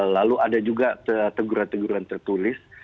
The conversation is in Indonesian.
lalu ada juga teguran teguran tertulis